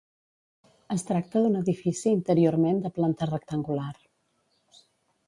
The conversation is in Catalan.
Es tracta d'un edifici interiorment de planta rectangular.